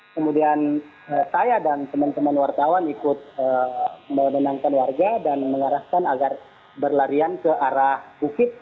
kemudian saya dan teman teman wartawan ikut menenangkan warga dan mengarahkan agar berlarian ke arah bukit